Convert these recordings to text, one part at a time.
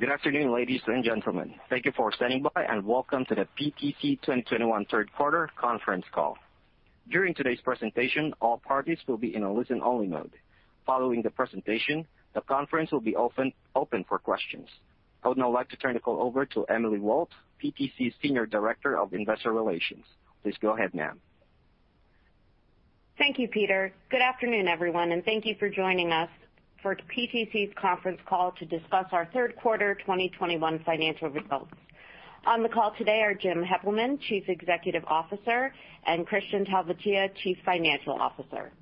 Good afternoon, ladies and gentlemen. Thank you for standing by, and welcome to the PTC 2021 Third Quarter Conference Call. During today's presentation, all parties will be in a listen-only mode. Following the presentation, the conference will be open for questions. I would now like to turn the call over to Emily Walt, PTC's Senior Director of Investor Relations. Please go ahead, ma'am. Thank you, Peter. Good afternoon, everyone, and thank you for joining us for PTC's conference call to discuss our third quarter 2021 financial results. On the call today are Jim Heppelmann, Chief Executive Officer, and Kristian Talvitie, Chief Financial Officer.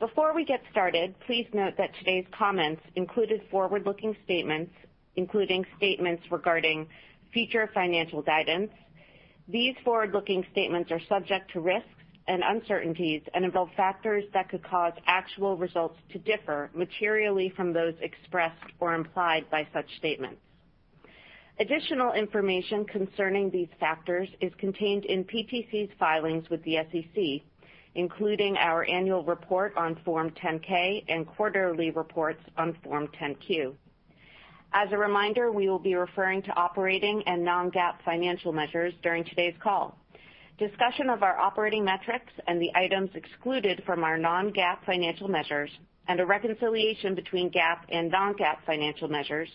Before we get started, please note that today's comments included forward-looking statements, including statements regarding future financial guidance. These forward-looking statements are subject to risks and uncertainties and involve factors that could cause actual results to differ materially from those expressed or implied by such statements. Additional information concerning these factors is contained in PTC's filings with the SEC, including our annual report on Form 10-K and quarterly reports on Form 10-Q. As a reminder, we will be referring to operating and non-GAAP financial measures during today's call. Discussion of our operating metrics and the items excluded from our non-GAAP financial measures and a reconciliation between GAAP and non-GAAP financial measures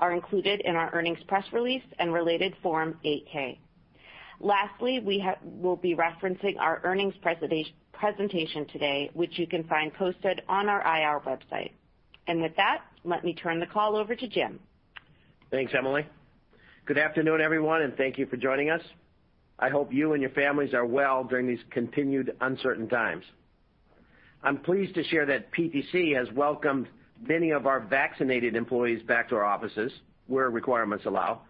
are included in our earnings press release and related Form 8-K. Lastly, we'll be referencing our earnings presentation today, which you can find posted on our IR website. With that, let me turn the call over to Jim. Thanks, Emily. Good afternoon, everyone, and thank you for joining us. I hope you and your families are well during these continued uncertain times. I'm pleased to share that PTC has welcomed many of our vaccinated employees back to our offices where requirements allow,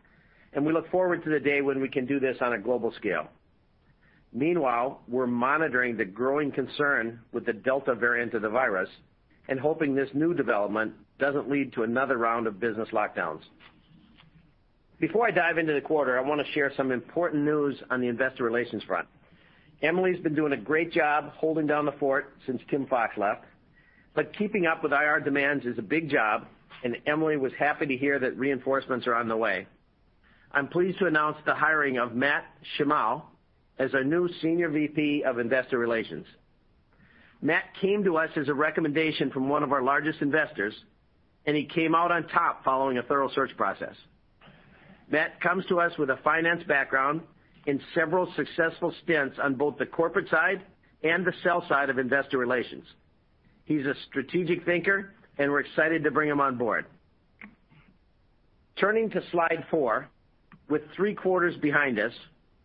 and we look forward to the day when we can do this on a global scale. Meanwhile, we're monitoring the growing concern with the Delta variant of the virus and hoping this new development doesn't lead to another round of business lockdowns. Before I dive into the quarter, I want to share some important news on the investor relations front. Emily's been doing a great job holding down the fort since Tim Fox left, but keeping up with IR demands is a big job, and Emily was happy to hear that reinforcements are on the way. I'm pleased to announce the hiring of Matt Shimao as our new Senior VP of Investor Relations. Matt came to us as a recommendation from one of our largest investors, and he came out on top following a thorough search process. Matt comes to us with a finance background and several successful stints on both the corporate side and the sell side of investor relations. He's a strategic thinker, and we're excited to bring him on board. Turning to slide four. With three quarters behind us,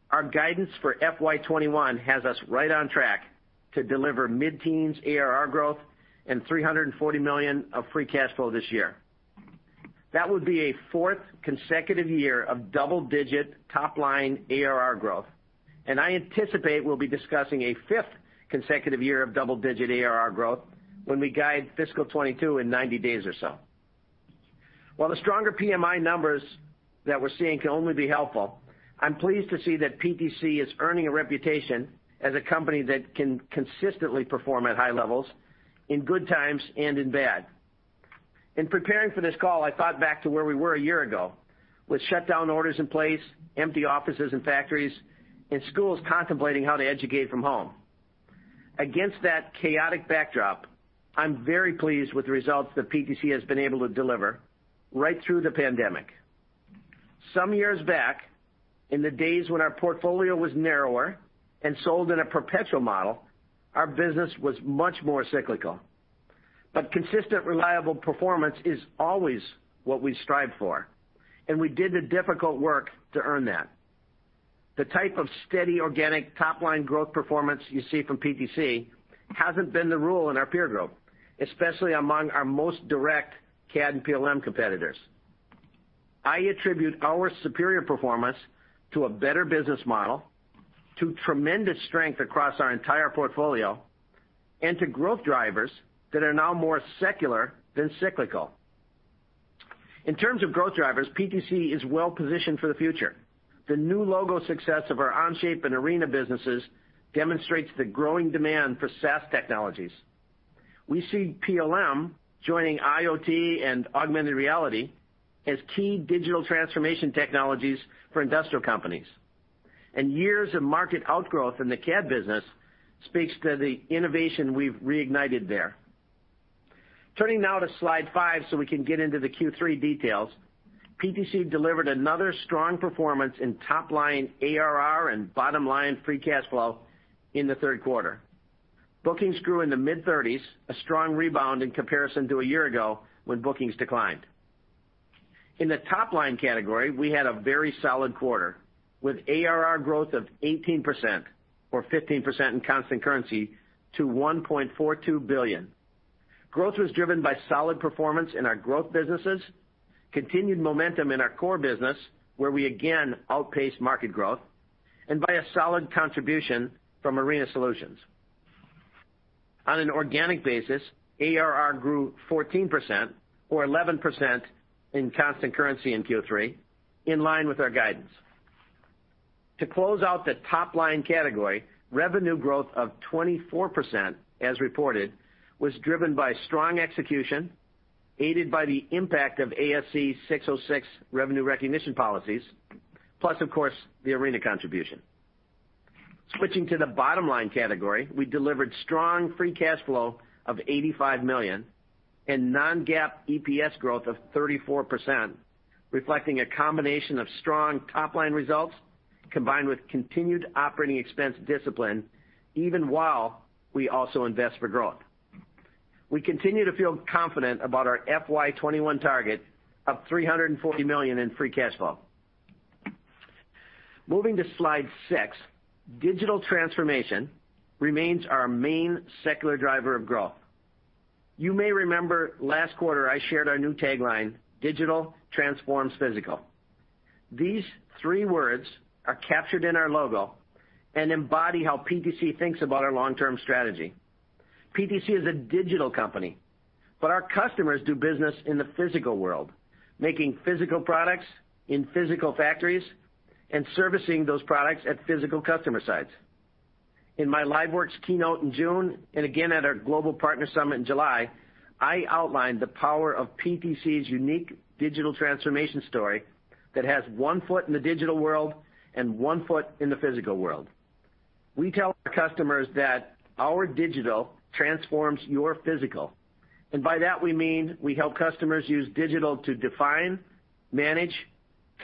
our guidance for FY 2021 has us right on track to deliver mid-teens ARR growth and $340 million of free cash flow this year. That would be a fourth consecutive year of double-digit top-line ARR growth, and I anticipate we'll be discussing a fifth consecutive year of double-digit ARR growth when we guide fiscal 2022 in 90 days or so. While the stronger PMI numbers that we're seeing can only be helpful, I'm pleased to see that PTC is earning a reputation as a company that can consistently perform at high levels in good times and in bad. In preparing for this call, I thought back to where we were a year ago with shutdown orders in place, empty offices and factories, and schools contemplating how to educate from home. Against that chaotic backdrop, I'm very pleased with the results that PTC has been able to deliver right through the pandemic. Some years back, in the days when our portfolio was narrower and sold in a perpetual model, our business was much more cyclical. Consistent, reliable performance is always what we strive for, and we did the difficult work to earn that. The type of steady organic top-line growth performance you see from PTC hasn't been the rule in our peer group, especially among our most direct CAD and PLM competitors. I attribute our superior performance to a better business model, to tremendous strength across our entire portfolio, and to growth drivers that are now more secular than cyclical. In terms of growth drivers, PTC is well positioned for the future. The new logo success of our Onshape and Arena businesses demonstrates the growing demand for SaaS technologies. We see PLM joining IoT and augmented reality as key digital transformation technologies for industrial companies, and years of market outgrowth in the CAD business speaks to the innovation we've reignited there. Turning now to slide five so we can get into the Q3 details. PTC delivered another strong performance in top-line ARR and bottom-line free cash flow in the third quarter. Bookings grew in the mid-30s, a strong rebound in comparison to a year ago when bookings declined. In the top-line category, we had a very solid quarter, with ARR growth of 18%, or 15% in constant currency, to $1.42 billion. Growth was driven by solid performance in our growth businesses, continued momentum in our core business, where we again outpaced market growth, and by a solid contribution from Arena Solutions. On an organic basis, ARR grew 14%, or 11% in constant currency in Q3, in line with our guidance. To close out the top-line category, revenue growth of 24%, as reported, was driven by strong execution, aided by the impact of ASC 606 revenue recognition policies, plus of course the Arena contribution. Switching to the bottom-line category, we delivered strong free cash flow of $85 million and non-GAAP EPS growth of 34%, reflecting a combination of strong top-line results combined with continued operating expense discipline, even while we also invest for growth. We continue to feel confident about our FY 2021 target of $340 million in free cash flow. Moving to slide six, digital transformation remains our main secular driver of growth. You may remember last quarter I shared our new tagline, "Digital transforms physical." These three words are captured in our logo and embody how PTC thinks about our long-term strategy. PTC is a digital company, but our customers do business in the physical world, making physical products in physical factories and servicing those products at physical customer sites. In my LiveWorx keynote in June, and again at our Global Partner Summit in July, I outlined the power of PTC's unique digital transformation story that has one foot in the digital world and one foot in the physical world. We tell our customers that our digital transforms your physical. By that we mean we help customers use digital to define, manage,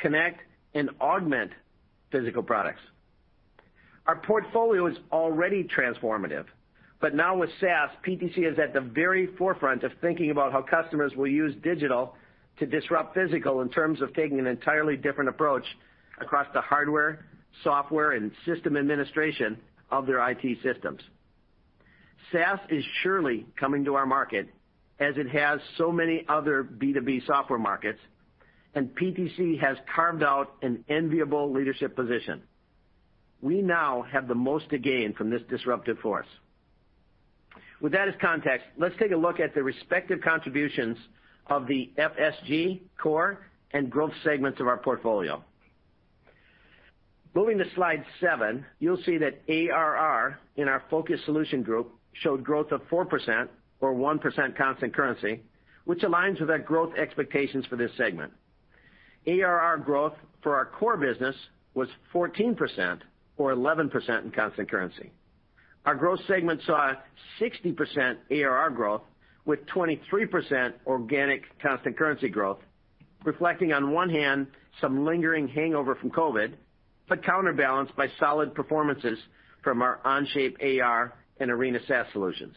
connect, and augment physical products. Our portfolio is already transformative. Now with SaaS, PTC is at the very forefront of thinking about how customers will use digital to disrupt physical in terms of taking an entirely different approach across the hardware, software, and system administration of their IT systems. SaaS is surely coming to our market as it has so many other B2B software markets. PTC has carved out an enviable leadership position. We now have the most to gain from this disruptive force. With that as context, let's take a look at the respective contributions of the FSG core and growth segments of our portfolio. Moving to slide seven, you'll see that ARR in our Focused Solution Group showed growth of 4% or 1% constant currency, which aligns with our growth expectations for this segment. ARR growth for our core business was 14% or 11% in constant currency. Our growth segment saw a 60% ARR growth with 23% organic constant currency growth, reflecting on one hand some lingering hangover from COVID, but counterbalanced by solid performances from our Onshape AR and Arena SaaS solutions.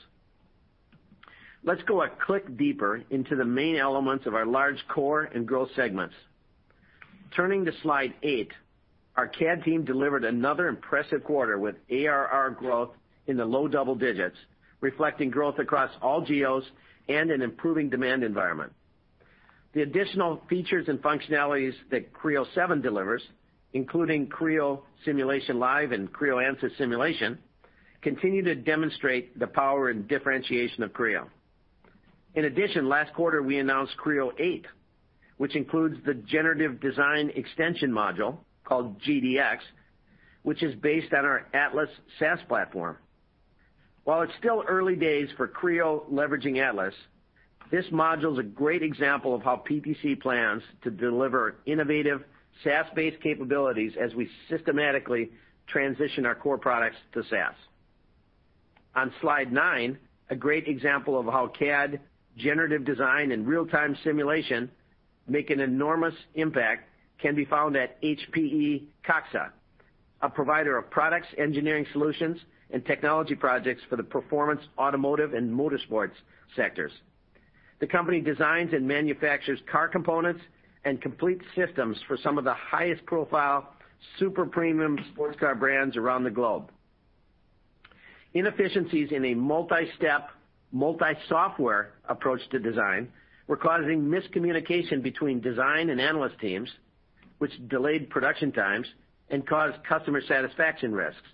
Let's go a click deeper into the main elements of our large core and growth segments. Turning to slide eight, our CAD team delivered another impressive quarter with ARR growth in the low double digits, reflecting growth across all geos and an improving demand environment. The additional features and functionalities that Creo 7 delivers, including Creo Simulation Live and Creo Ansys Simulation, continue to demonstrate the power and differentiation of Creo. In addition, last quarter we announced Creo 8, which includes the Generative Design Extension module called GDX, which is based on our Atlas SaaS platform. While it's still early days for Creo leveraging Atlas, this module is a great example of how PTC plans to deliver innovative, SaaS-based capabilities as we systematically transition our core products to SaaS. On slide nine, a great example of how CAD, generative design, and real-time simulation make an enormous impact can be found at HPE COXA, a provider of products, engineering solutions, and technology projects for the performance, automotive, and motorsports sectors. The company designs and manufactures car components and complete systems for some of the highest profile super premium sports car brands around the globe. Inefficiencies in a multi-step, multi-software approach to design were causing miscommunication between design and analyst teams, which delayed production times and caused customer satisfaction risks.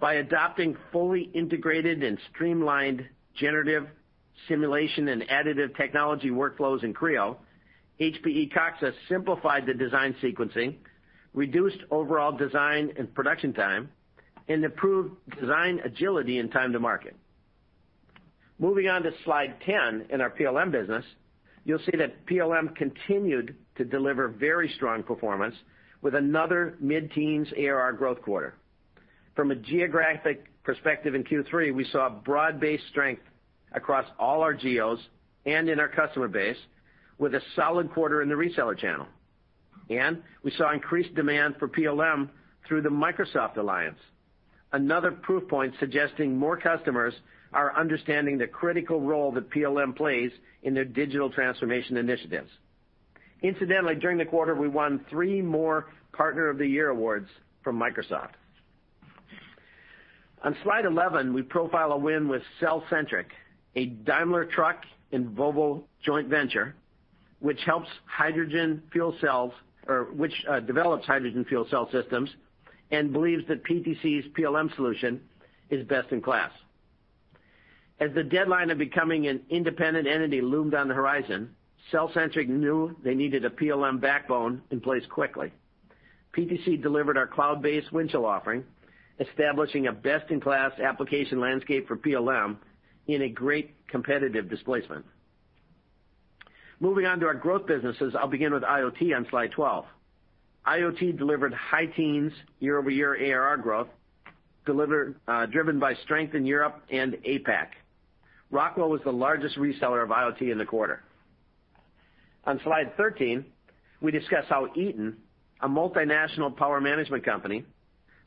By adopting fully integrated and streamlined generative simulation and additive technology workflows in Creo, HPE COXA simplified the design sequencing, reduced overall design and production time, and improved design agility and time to market. Moving on to slide 10 in our PLM business, you'll see that PLM continued to deliver very strong performance with another mid-teens ARR growth quarter. From a geographic perspective in Q3, we saw broad-based strength across all our geos and in our customer base with a solid quarter in the reseller channel. We saw increased demand for PLM through the Microsoft alliance. Another proof point suggesting more customers are understanding the critical role that PLM plays in their digital transformation initiatives. Incidentally, during the quarter, we won three more Partner of the Year awards from Microsoft. On slide 11, we profile a win with cellcentric, a Daimler Truck and Volvo joint venture, which helps hydrogen fuel cells or which develops hydrogen fuel cell systems and believes that PTC's PLM solution is best in class. As the deadline of becoming an independent entity loomed on the horizon, cellcentric knew they needed a PLM backbone in place quickly. PTC delivered our cloud-based Windchill offering, establishing a best-in-class application landscape for PLM in a great competitive displacement. Moving on to our growth businesses, I'll begin with IoT on slide 12. IoT delivered high teens year-over-year ARR growth, driven by strength in Europe and APAC. Rockwell was the largest reseller of IoT in the quarter. On slide 13, we discuss how Eaton, a multinational power management company,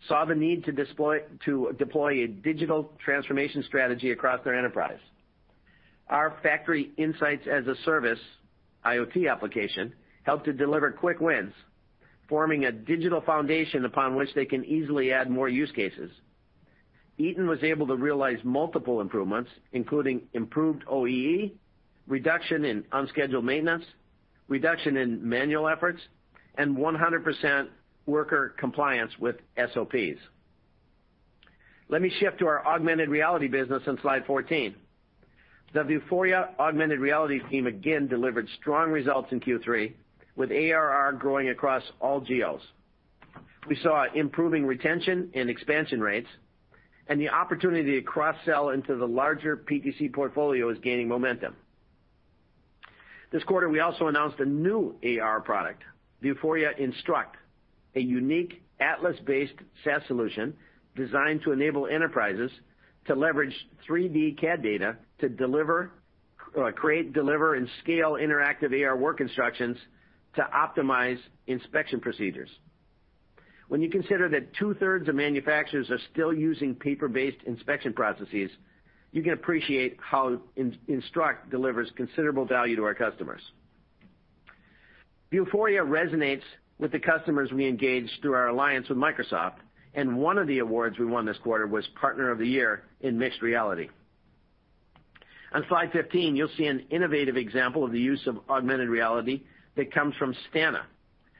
saw the need to deploy a digital transformation strategy across their enterprise. Our Factory Insights as a Service IoT application helped to deliver quick wins, forming a digital foundation upon which they can easily add more use cases. Eaton was able to realize multiple improvements, including improved OEE, reduction in unscheduled maintenance, reduction in manual efforts, and 100% worker compliance with SOPs. Let me shift to our augmented reality business on slide 14. The Vuforia augmented reality team again delivered strong results in Q3, with ARR growing across all geos. We saw improving retention and expansion rates, and the opportunity to cross-sell into the larger PTC portfolio is gaining momentum. This quarter, we also announced a new AR product, Vuforia Instruct, a unique Atlas-based SaaS solution designed to enable enterprises to leverage 3D CAD data to create, deliver, and scale interactive AR work instructions to optimize inspection procedures. When you consider that two-thirds of manufacturers are still using paper-based inspection processes, you can appreciate how Instruct delivers considerable value to our customers. Vuforia resonates with the customers we engage through our alliance with Microsoft, and one of the awards we won this quarter was Partner of the Year in Mixed Reality. On slide 15, you'll see an innovative example of the use of augmented reality that comes from Stannah,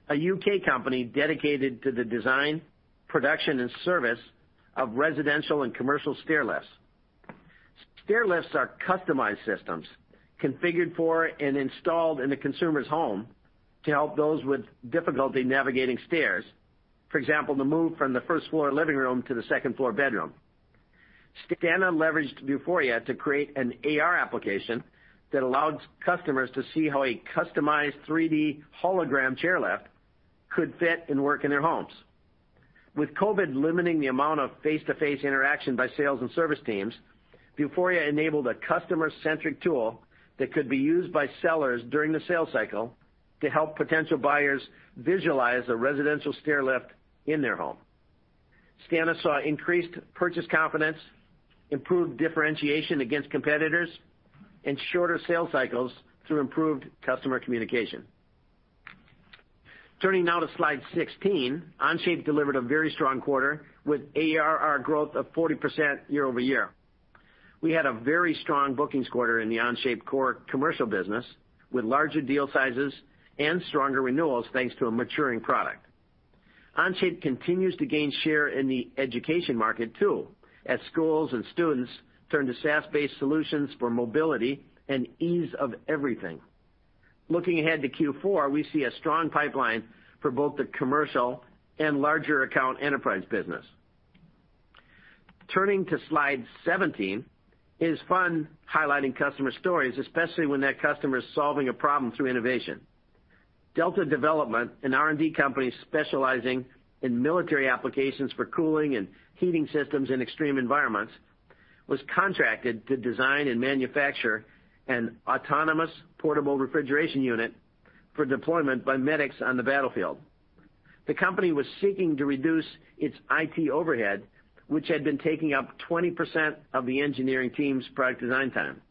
a U.K. company dedicated to the design, production, and service of residential and commercial stair lifts. Stair lifts are customized systems configured for and installed in the consumer's home to help those with difficulty navigating stairs. For example, to move from the first-floor living room to the second-floor bedroom. Stannah leveraged Vuforia to create an AR application that allows customers to see how a customized 3D hologram chair lift could fit and work in their homes. With COVID limiting the amount of face-to-face interaction by sales and service teams, Vuforia enabled a customer-centric tool that could be used by sellers during the sales cycle to help potential buyers visualize a residential stair lift in their home. Stannah saw increased purchase confidence, improved differentiation against competitors, and shorter sales cycles through improved customer communication. Turning now to slide 16, Onshape delivered a very strong quarter, with ARR growth of 40% year-over-year. We had a very strong bookings quarter in the Onshape core commercial business, with larger deal sizes and stronger renewals thanks to a maturing product. Onshape continues to gain share in the education market too, as schools and students turn to SaaS-based solutions for mobility and ease of everything. Looking ahead to Q4, we see a strong pipeline for both the commercial and larger account enterprise business. Turning to slide 17. It is fun highlighting customer stories, especially when that customer is solving a problem through innovation. Delta Development, an R&D company specializing in military applications for cooling and heating systems in extreme environments, was contracted to design and manufacture an autonomous portable refrigeration unit for deployment by medics on the battlefield. The company was seeking to reduce its IT overhead, which had been taking up 20% of the engineering team's product design time.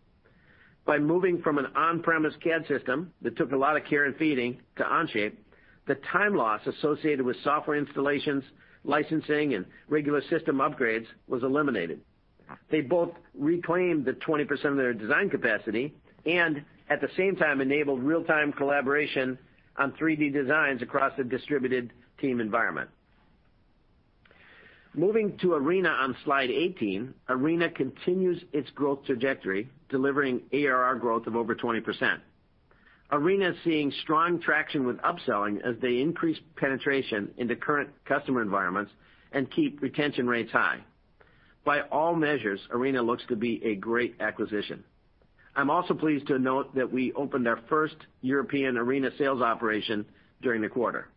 By moving from an on-premise CAD system that took a lot of care and feeding to Onshape, the time loss associated with software installations, licensing, and regular system upgrades was eliminated. They both reclaimed the 20% of their design capacity and, at the same time, enabled real-time collaboration on 3D designs across a distributed team environment. Moving to Arena on slide 18. Arena continues its growth trajectory, delivering ARR growth of over 20%. Arena is seeing strong traction with upselling as they increase penetration into current customer environments and keep retention rates high. By all measures, Arena looks to be a great acquisition. I'm also pleased to note that we opened our first European Arena sales operation during the quarter.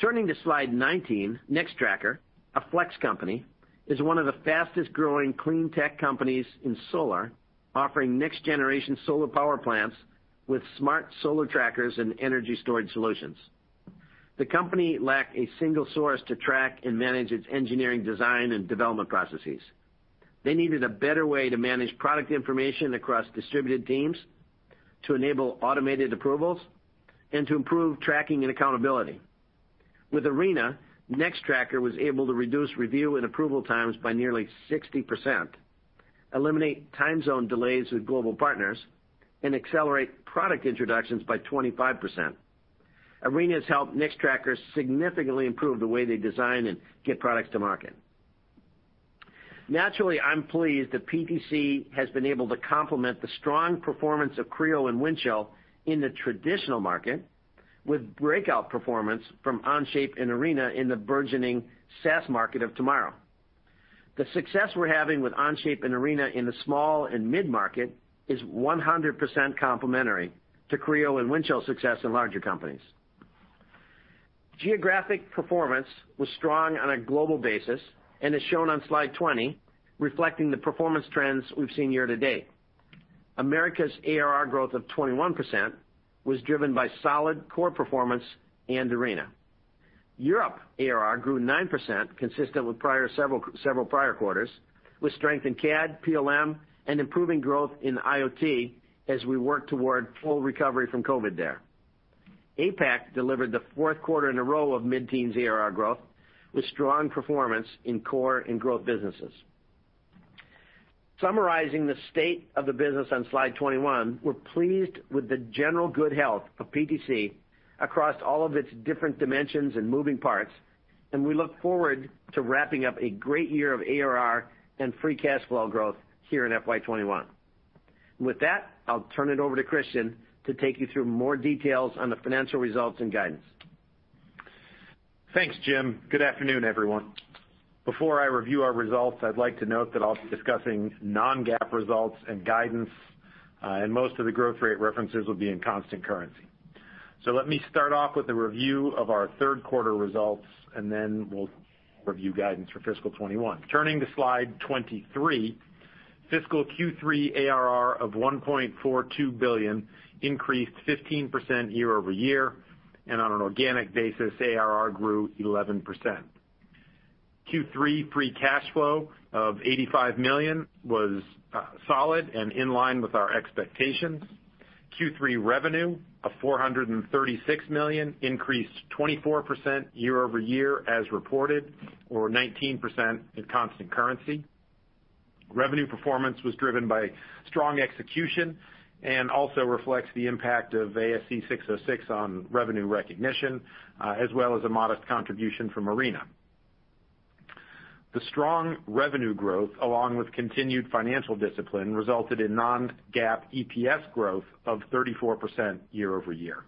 Turning to slide 19. Nextracker, a Flex company, is one of the fastest-growing clean tech companies in solar, offering next-generation solar power plants with smart solar trackers and energy storage solutions. The company lacked a single source to track and manage its engineering design and development processes. They needed a better way to manage product information across distributed teams, to enable automated approvals, and to improve tracking and accountability. With Arena, Nextracker was able to reduce review and approval times by nearly 60%, eliminate time zone delays with global partners, and accelerate product introductions by 25%. Arena's helped Nextracker significantly improve the way they design and get products to market. Naturally, I'm pleased that PTC has been able to complement the strong performance of Creo and Windchill in the traditional market with breakout performance from Onshape and Arena in the burgeoning SaaS market of tomorrow. The success we're having with Onshape and Arena in the small and mid-market is 100% complementary to Creo and Windchill's success in larger companies. Geographic performance was strong on a global basis and is shown on slide 20, reflecting the performance trends we've seen year to date. Americas ARR growth of 21% was driven by solid core performance and Arena. Europe ARR grew 9%, consistent with several prior quarters, with strength in CAD, PLM, and improving growth in IoT as we work toward full recovery from COVID there. APAC delivered the fourth quarter in a row of mid-teens ARR growth, with strong performance in core and growth businesses. Summarizing the state of the business on slide 21, we're pleased with the general good health of PTC across all of its different dimensions and moving parts, and we look forward to wrapping up a great year of ARR and free cash flow growth here in FY 2021. With that, I'll turn it over to Kristian to take you through more details on the financial results and guidance. Thanks, Jim. Good afternoon, everyone. Before I review our results, I'd like to note that I'll be discussing non-GAAP results and guidance, and most of the growth rate references will be in constant currency. Let me start off with a review of our third quarter results, and then we'll review guidance for fiscal 2021. Turning to slide 23, fiscal Q3 ARR of $1.42 billion increased 15% year-over-year, and on an organic basis, ARR grew 11%. Q3 free cash flow of $85 million was solid and in line with our expectations. Q3 revenue of $436 million increased 24% year-over-year as reported, or 19% in constant currency. Revenue performance was driven by strong execution and also reflects the impact of ASC 606 on revenue recognition, as well as a modest contribution from Arena. The strong revenue growth, along with continued financial discipline, resulted in non-GAAP EPS growth of 34% year-over-year.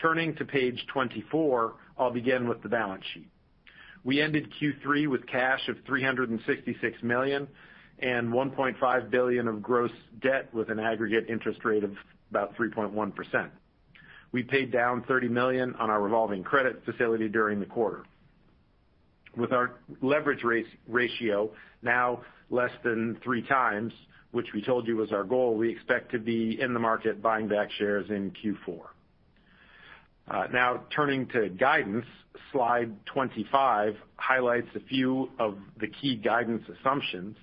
Turning to page 24, I'll begin with the balance sheet. We ended Q3 with cash of $366 million and $1.5 billion of gross debt, with an aggregate interest rate of about 3.1%. We paid down $30 million on our revolving credit facility during the quarter. With our leverage ratio now less than 3x, which we told you was our goal, we expect to be in the market buying back shares in Q4. Now turning to guidance. Slide 25 highlights a few of the key guidance assumptions.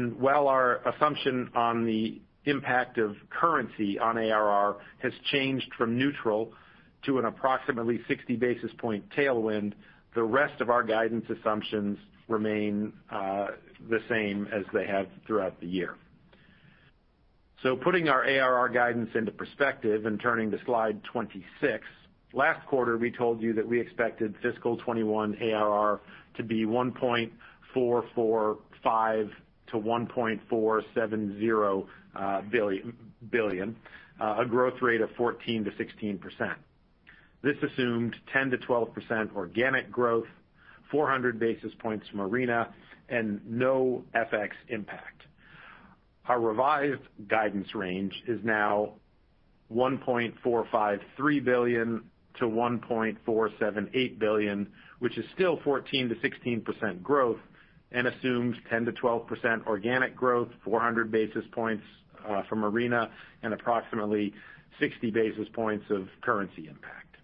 While our assumption on the impact of currency on ARR has changed from neutral to an approximately 60-basis-point tailwind, the rest of our guidance assumptions remain the same as they have throughout the year. Putting our ARR guidance into perspective and turning to slide 26, last quarter, we told you that we expected fiscal 2021 ARR to be $1.445 billion-$1.470 billion, a growth rate of 14%-16%. This assumed 10%-12% organic growth, 400 basis points from Arena, and no FX impact. Our revised guidance range is now $1.453 billion-$1.478 billion, which is still 14%-16% growth and assumes 10%-12% organic growth, 400 basis points from Arena, and approximately 60 basis points of currency impact.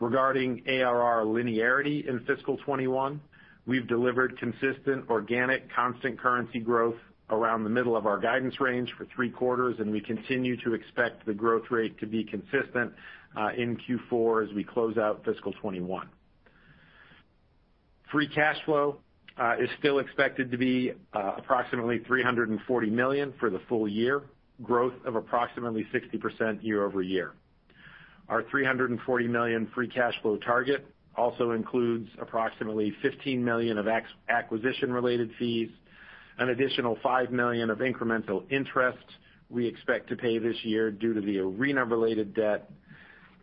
Regarding ARR linearity in fiscal 2021, we've delivered consistent organic constant currency growth around the middle of our guidance range for three quarters, and we continue to expect the growth rate to be consistent in Q4 as we close out fiscal 2021. Free cash flow is still expected to be approximately $340 million for the full year, growth of approximately 60% year-over-year. Our $340 million free cash flow target also includes approximately $15 million of acquisition-related fees, an additional $5 million of incremental interest we expect to pay this year due to the Arena-related debt,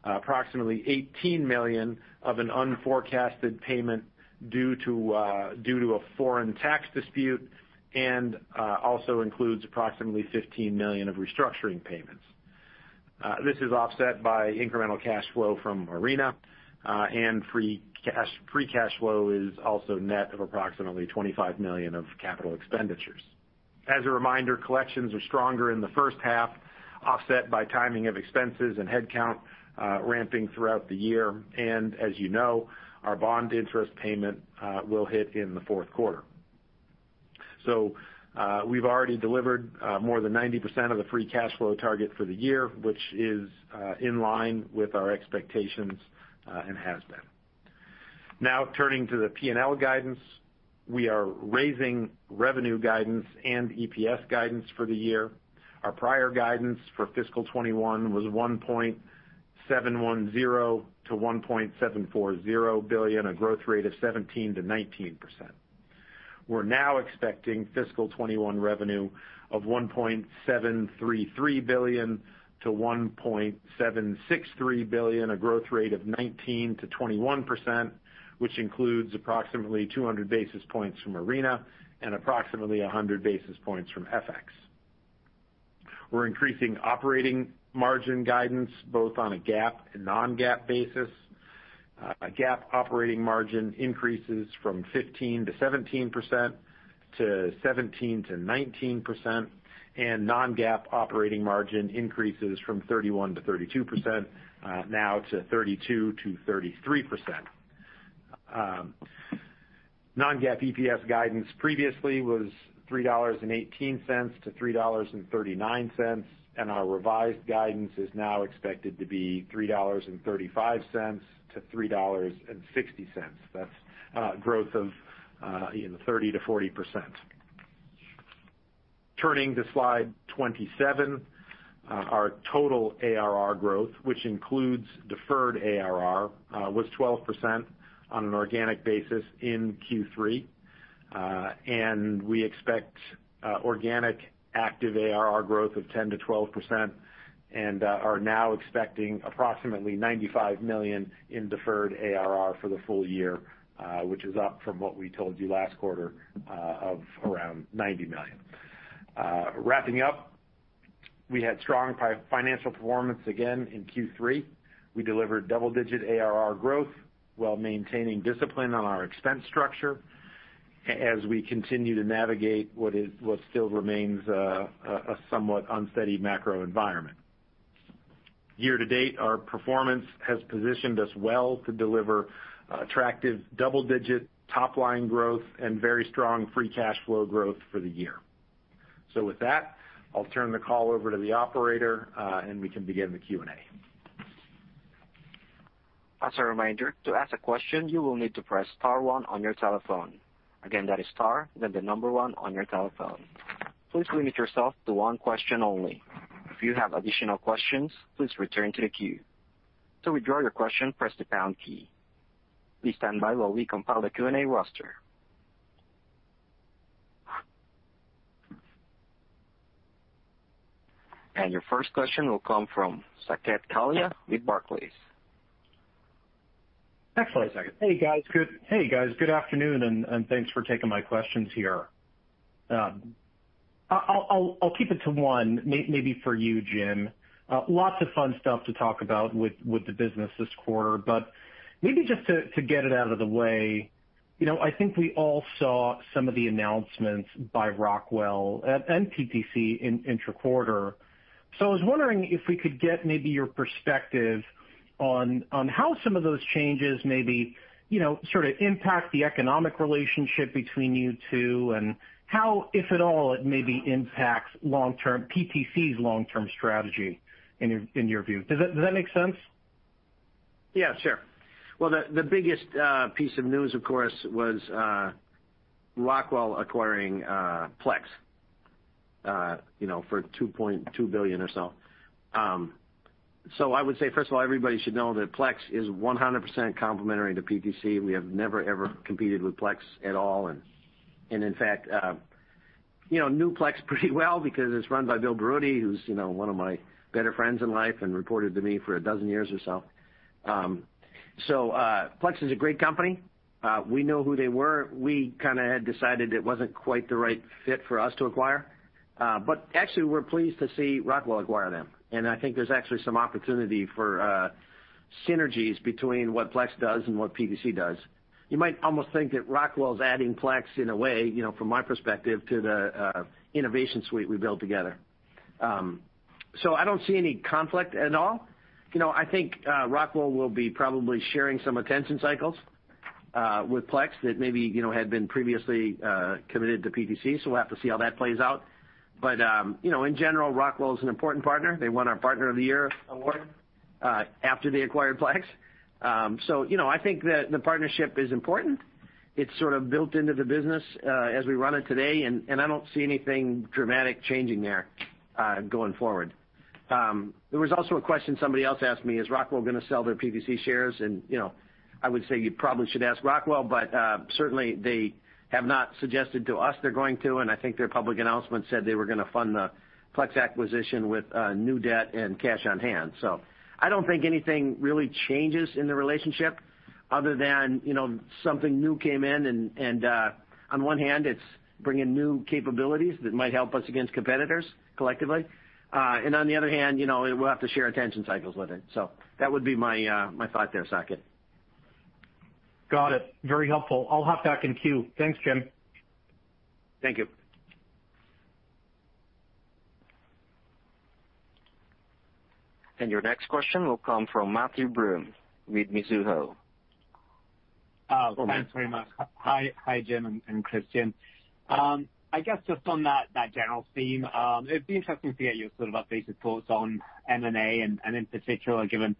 approximately $18 million of an unforecasted payment due to a foreign tax dispute, and also includes approximately $15 million of restructuring payments. This is offset by incremental cash flow from Arena, free cash flow is also net of approximately $25 million of capital expenditures. As a reminder, collections are stronger in the first half, offset by timing of expenses and head count ramping throughout the year. As you know, our bond interest payment will hit in the fourth quarter. We've already delivered more than 90% of the free cash flow target for the year, which is in line with our expectations and has been. Turning to the P&L guidance. We are raising revenue guidance and EPS guidance for the year. Our prior guidance for FY 2021 was $1.710 billion-$1.740 billion, a growth rate of 17%-19%. We're now expecting FY 2021 revenue of $1.733 billion-$1.763 billion, a growth rate of 19%-21%, which includes approximately 200 basis points from Arena and approximately 100 basis points from FX. We're increasing operating margin guidance both on a GAAP and non-GAAP basis. A GAAP operating margin increases from 15%-17% to 17%-19%, and non-GAAP operating margin increases from 31%-32% now to 32%-33%. Non-GAAP EPS guidance previously was $3.18-$3.39. Our revised guidance is now expected to be $3.35-$3.60. That's growth of 30%-40%. Turning to slide 27. Our total ARR growth, which includes deferred ARR, was 12% on an organic basis in Q3. We expect organic active ARR growth of 10%-12% and are now expecting approximately $95 million in deferred ARR for the full year, which is up from what we told you last quarter of around $90 million. Wrapping up, we had strong financial performance again in Q3. We delivered double-digit ARR growth while maintaining discipline on our expense structure as we continue to navigate what still remains a somewhat unsteady macro environment. Year to date, our performance has positioned us well to deliver attractive double-digit top-line growth and very strong free cash flow growth for the year. With that, I'll turn the call over to the operator, and we can begin the Q&A. As a reminder, to ask a question, you will need to press star one on your telephone. Again, that is star, then the number one on your telephone. Please limit yourself to one question only. If you have additional questions, please return to the queue. To withdraw your question, press the pound key. Please stand by while we compile the Q&A roster. Your first question will come from Saket Kalia with Barclays. Excellent. Hey, guys. Good afternoon. Thanks for taking my questions here. I'll keep it to one, maybe for you, Jim. Lots of fun stuff to talk about with the business this quarter. Maybe just to get it out of the way, I think we all saw some of the announcements by Rockwell and PTC intra-quarter. I was wondering if we could get maybe your perspective on how some of those changes maybe sort of impact the economic relationship between you two and how, if at all, it maybe impacts PTC's long-term strategy in your view. Does that make sense? Yeah, sure. Well, the biggest piece of news, of course, was Rockwell acquiring Plex for $2.2 billion or so. I would say, first of all, everybody should know that Plex is 100% complementary to PTC. We have never, ever competed with Plex at all. In fact, knew Plex pretty well because it's run by Bill Berutti, who's one of my better friends in life and reported to me for 12 years or so. Plex is a great company. We know who they were. We kind of had decided it wasn't quite the right fit for us to acquire. Actually, we're pleased to see Rockwell acquire them, and I think there's actually some opportunity for synergies between what Plex does and what PTC does. You might almost think that Rockwell is adding Plex in a way, from my perspective, to the Innovation Suite we built together. I don't see any conflict at all. I think Rockwell will be probably sharing some attention cycles with Plex that maybe had been previously committed to PTC, we'll have to see how that plays out. In general, Rockwell is an important partner. They won our Partner of the Year award after they acquired Plex. I think that the partnership is important. It's sort of built into the business as we run it today, and I don't see anything dramatic changing there going forward. There was also a question somebody else asked me, is Rockwell going to sell their PTC shares? I would say you probably should ask Rockwell, but certainly they have not suggested to us they're going to, and I think their public announcement said they were going to fund the Plex acquisition with new debt and cash on hand. I don't think anything really changes in the relationship other than something new came in, and on one hand, it's bringing new capabilities that might help us against competitors collectively. On the other hand, we'll have to share attention cycles with it. That would be my thought there, Saket. Got it. Very helpful. I'll hop back in queue. Thanks, Jim. Thank you. Your next question will come from Matthew Broome with Mizuho. Thanks very much. Hi, Jim and Kristian. I guess just on that general theme, it'd be interesting to get your sort of updated thoughts on M&A, and in particular, given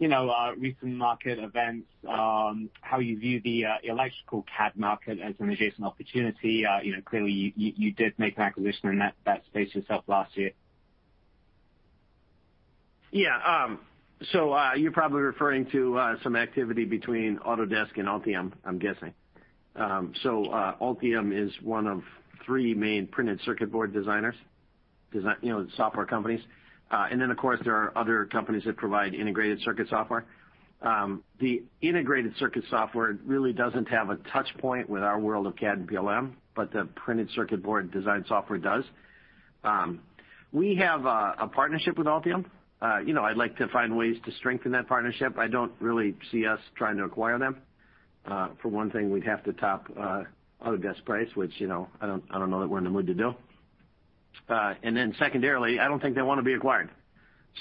recent market events, how you view the electrical CAD market as an adjacent opportunity. Clearly, you did make an acquisition in that space yourself last year. You're probably referring to some activity between Autodesk and Altium, I'm guessing. Altium is one of three main printed circuit board designers, software companies. Of course, there are other companies that provide integrated circuit software. The integrated circuit software really doesn't have a touch point with our world of CAD and PLM, but the printed circuit board design software does. We have a partnership with Altium. I'd like to find ways to strengthen that partnership. I don't really see us trying to acquire them. For one thing, we'd have to top Autodesk price, which I don't know that we're in the mood to do. Secondarily, I don't think they want to be acquired.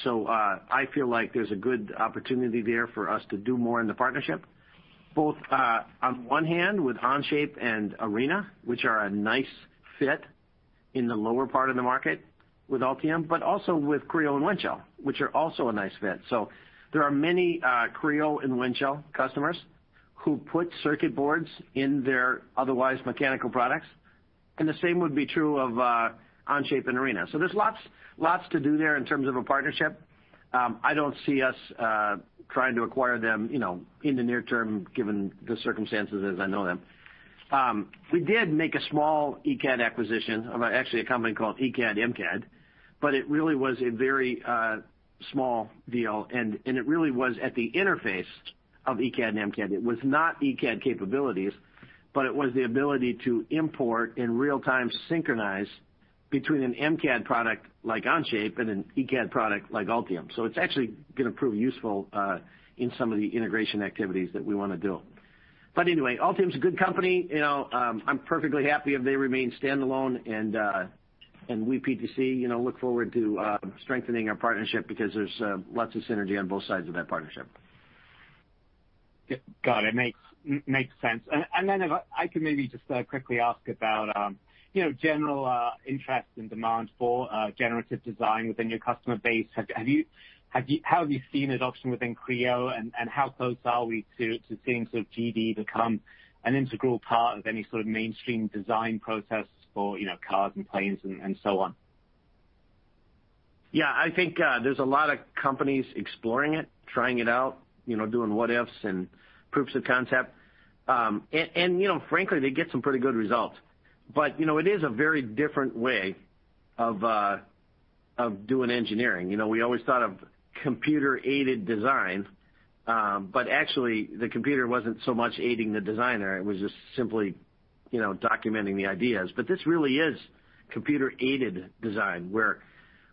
I feel like there's a good opportunity there for us to do more in the partnership, both on one hand with Onshape and Arena, which are a nice fit in the lower part of the market with Altium, but also with Creo and Windchill, which are also a nice fit. There are many Creo and Windchill customers who put circuit boards in their otherwise mechanical products, and the same would be true of Onshape and Arena. There's lots to do there in terms of a partnership. I don't see us trying to acquire them in the near term, given the circumstances as I know them. We did make a small eCAD acquisition of actually a company called ECAD/MCAD, but it really was a very small deal, and it really was at the interface of ECAD and MCAD. It was not ECAD capabilities, but it was the ability to import in real-time synchronize between an MCAD product like Onshape and an ECAD product like Altium. It's actually going to prove useful in some of the integration activities that we want to do. Anyway, Altium's a good company. I'm perfectly happy if they remain standalone and we, PTC, look forward to strengthening our partnership because there's lots of synergy on both sides of that partnership. Got it. Makes sense. If I could maybe just quickly ask about general interest and demand for generative design within your customer base. How have you seen adoption within Creo, and how close are we to seeing sort of GD become an integral part of any sort of mainstream design process for cars and planes and so on? Yeah, I think there's a lot of companies exploring it, trying it out, doing what-ifs and proofs of concept. Frankly, they get some pretty good results. It is a very different way of doing engineering. We always thought of computer-aided design, but actually, the computer wasn't so much aiding the designer. It was just simply documenting the ideas. This really is computer-aided design, where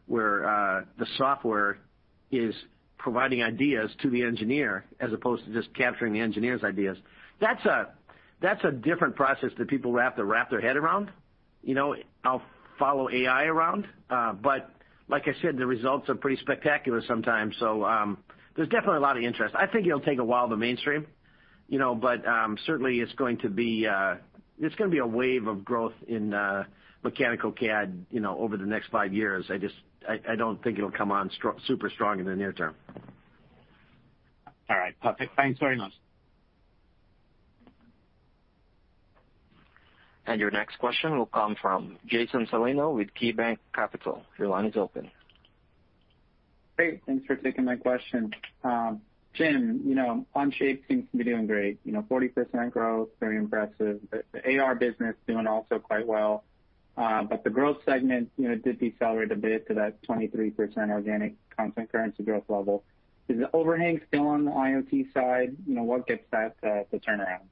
the software is providing ideas to the engineer as opposed to just capturing the engineer's ideas. That's a different process that people have to wrap their head around. I'll follow AI around, but like I said, the results are pretty spectacular sometimes. There's definitely a lot of interest. I think it'll take a while to mainstream, but certainly, it's going to be a wave of growth in mechanical CAD over the next five years. I don't think it'll come on super strong in the near term. All right. Perfect. Thanks very much. Your next question will come from Jason Celino with KeyBanc Capital. Your line is open. Great. Thanks for taking my question. Jim, Onshape seems to be doing great. 40% growth, very impressive. The AR business doing also quite well. The growth segment did decelerate a bit to that 23% organic constant currency growth level. Is the overhang still on the IoT side? What gets that to turn around?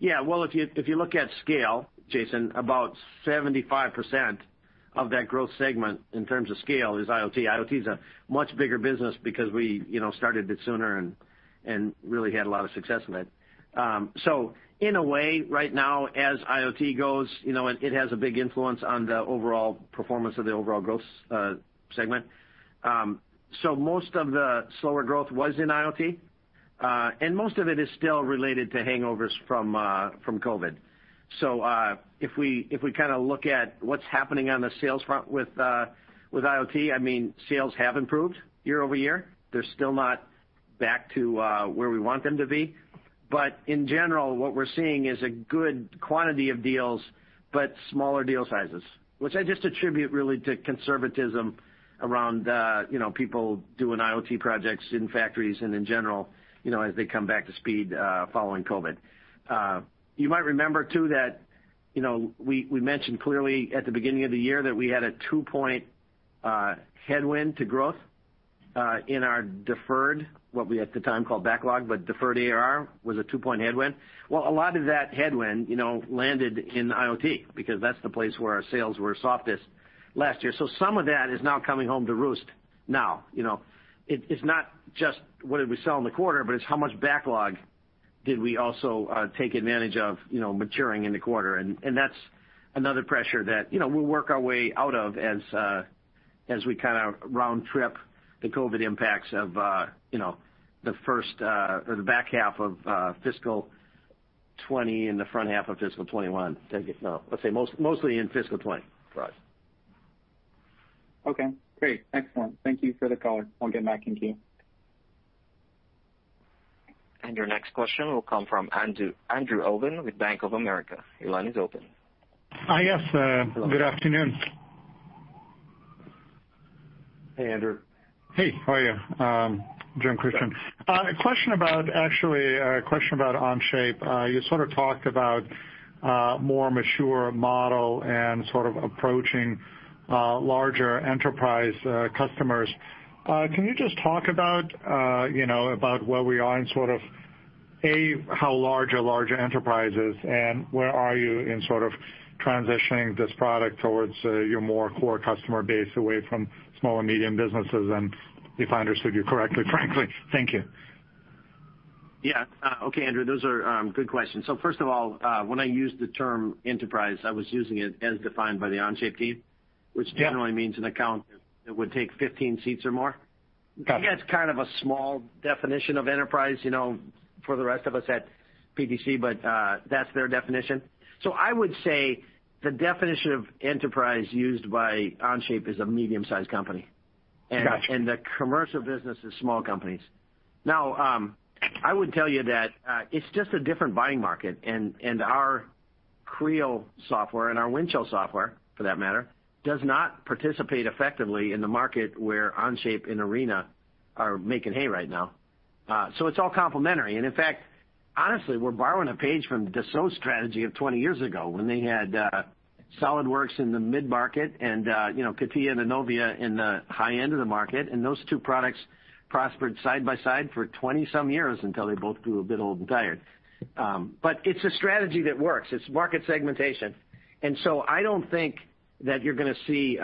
Yeah. Well, if you look at scale, Jason, about 75% of that growth segment in terms of scale is IoT. IoT is a much bigger business because we started it sooner and really had a lot of success with it. In a way, right now, as IoT goes, it has a big influence on the overall performance of the overall growth segment. Most of the slower growth was in IoT. Most of it is still related to hangovers from COVID. If we kind of look at what's happening on the sales front with IoT, I mean, sales have improved year-over-year. They're still not back to where we want them to be. In general, what we're seeing is a good quantity of deals, but smaller deal sizes, which I just attribute really to conservatism around people doing IoT projects in factories and in general as they come back to speed following COVID. You might remember, too, that we mentioned clearly at the beginning of the year that we had a two-point headwind to growth in our deferred, what we at the time called backlog, but deferred ARR was a two-point headwind. A lot of that headwind landed in IoT because that's the place where our sales were softest last year. Some of that is now coming home to roost now. It's not just what did we sell in the quarter, but it's how much backlog did we also take advantage of maturing in the quarter? That's another pressure that we'll work our way out of as we kind of round-trip the COVID impacts of the back half of fiscal 2020 and the front half of fiscal 2021. Let's say mostly in fiscal 2020. Right. Okay, great. Excellent. Thank you for the color. I'll get back in queue. Your next question will come from Andrew Obin with Bank of America. Your line is open. Yes, good afternoon. Hey, Andrew. Hey. How are you, Jim, Kristian. Actually, a question about Onshape. You sort of talked about a more mature model and sort of approaching larger enterprise customers. Can you just talk about where we are in sort of, A, how large are larger enterprises, and where are you in sort of transitioning this product towards your more core customer base away from small and medium businesses, if I understood you correctly, frankly? Thank you. Yeah. Okay, Andrew, those are good questions. First of all, when I used the term enterprise, I was using it as defined by the Onshape team. Yeah Which generally means an account that would take 15 seats or more. Got it. That's kind of a small definition of enterprise, for the rest of us at PTC, but that's their definition. I would say the definition of enterprise used by Onshape is a medium-sized company. Got you. The commercial business is small companies. Now, I would tell you that it's just a different buying market, and our Creo software and our Windchill software, for that matter, does not participate effectively in the market where Onshape and Arena are making hay right now. It's all complementary. In fact, honestly, we're borrowing a page from Dassault's strategy of 20 years ago, when they had SolidWorks in the mid-market and CATIA and ENOVIA in the high end of the market, and those two products prospered side by side for 20-some years until they both grew a bit old and tired. It's a strategy that works. It's market segmentation. I don't think that you're gonna see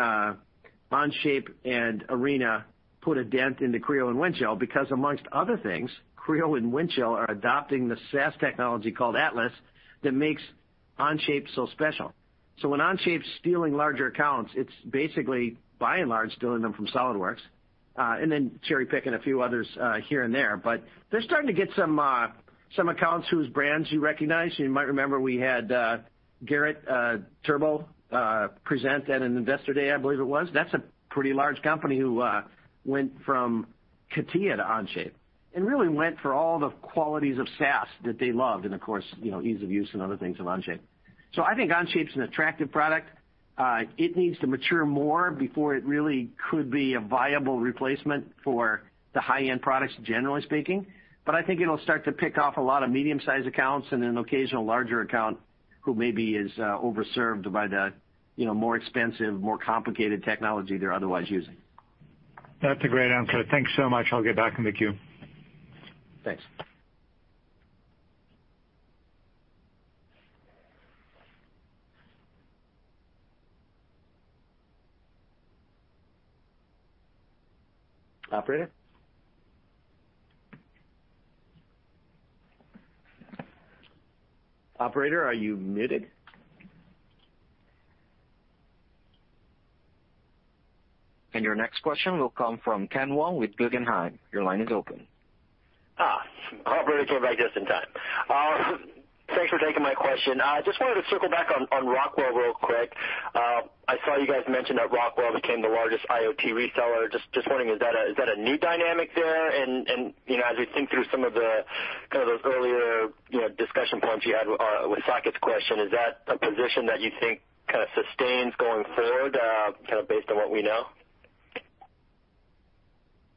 Onshape and Arena put a dent into Creo and Windchill, because amongst other things, Creo and Windchill are adopting the SaaS technology called Atlas that makes Onshape so special. When Onshape's stealing larger accounts, it's basically by and large stealing them from SolidWorks, and then cherry-picking a few others here and there. They're starting to get some accounts whose brands you recognize. You might remember we had Garrett Motion present at an investor day, I believe it was. That's a pretty large company who went from CATIA to Onshape and really went for all the qualities of SaaS that they loved and, of course, ease of use and other things of Onshape. I think Onshape's an attractive product. It needs to mature more before it really could be a viable replacement for the high-end products, generally speaking. I think it'll start to pick off a lot of medium-sized accounts and an occasional larger account who maybe is over-served by the more expensive, more complicated technology they're otherwise using. That's a great answer. Thanks so much. I'll get back in the queue. Thanks. Operator? Operator, are you muted? Your next question will come from Ken Wong with Guggenheim. Operator came back just in time. Thanks for taking my question. Just wanted to circle back on Rockwell real quick. I saw you guys mention that Rockwell became the largest IoT reseller. Just wondering, is that a new dynamic there? As we think through some of the kind of those earlier discussion points you had with Saket's question, is that a position that you think kind of sustains going forward, kind of based on what we know?